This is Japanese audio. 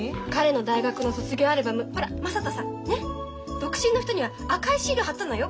独身の人には赤いシール貼ったのよ